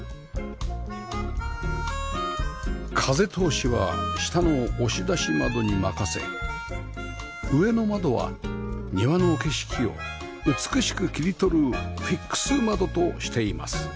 風通しは下の押し出し窓に任せ上の窓は庭の景色を美しく切り取るフィックス窓としています